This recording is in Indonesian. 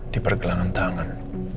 di pergelangan tangan